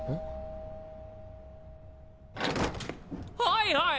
はいはい！